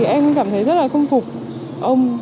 em cảm thấy rất là công phục ông